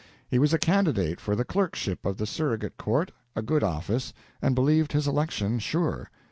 He was a candidate for the clerkship of the surrogate court, a good office, and believed his election sure.